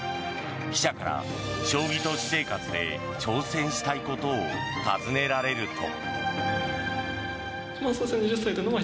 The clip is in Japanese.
記者から、将棋と私生活で挑戦したいことを尋ねられると。